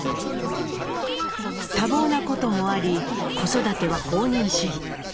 多忙なこともあり子育ては放任主義。